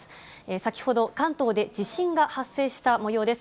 先ほど関東で地震が発生したもようです。